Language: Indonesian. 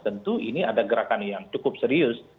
tentu ini ada gerakan yang cukup serius